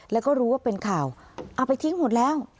แล้วก็รู้ว่าเป็นข่าวเอาไปทิ้งหมดแล้ว